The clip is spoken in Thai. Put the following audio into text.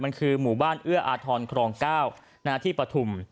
มันคือหมู่บ้านเอื้ออาทรครอง๙ที่ปฐุม